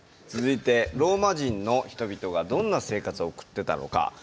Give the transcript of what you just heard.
続いてローマ人の人々がどんな生活を送ってたのか。